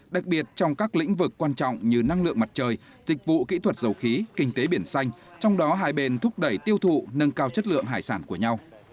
đặc biệt trong các lĩnh vực quan trọng như năng lượng mặt trời dịch vụ kỹ thuật dầu khí kinh tế biển xanh trong đó hai bên thúc đẩy tiêu thụ nâng cao chất lượng hải sản của nhau